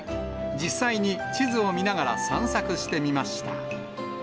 実際に地図を見ながら散策してみました。